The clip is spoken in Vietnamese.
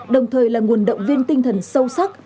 đồng thời là nguồn động viên tinh thần sâu sắc